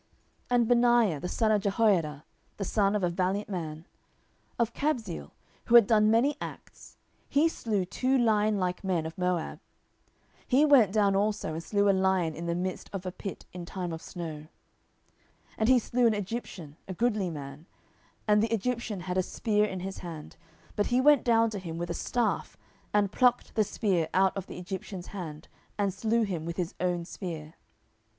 10:023:020 And Benaiah the son of Jehoiada, the son of a valiant man, of Kabzeel, who had done many acts, he slew two lionlike men of Moab: he went down also and slew a lion in the midst of a pit in time of snow: 10:023:021 And he slew an Egyptian, a goodly man: and the Egyptian had a spear in his hand; but he went down to him with a staff, and plucked the spear out of the Egyptian's hand, and slew him with his own spear.